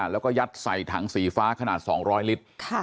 แล้วก็ยัดใส่ถังสีฟ้าขนาด๒๐๐ลิตร